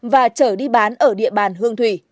và trở đi bán ở địa bàn hương thủy